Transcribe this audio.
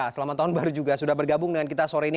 selamat tahun baru juga sudah bergabung dengan kita sore ini